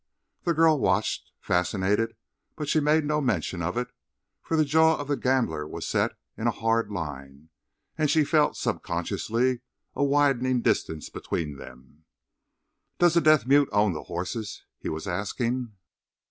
The girl watched, fascinated, but she made no mention of it, for the jaw of the gambler was set in a hard line, and she felt, subconsciously, a widening distance between them. "Does the deaf mute own the horses?" he was asking.